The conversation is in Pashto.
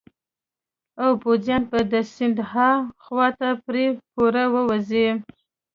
او پوځیان به د سیند هاخوا ته پرې پورې ووزي.